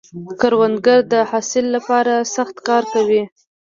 کروندګر د حاصل له پاره سخت کار کوي